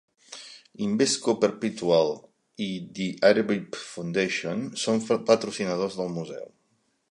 Invesco Perpetual i The Arbib Foundation són patrocinadors del museu.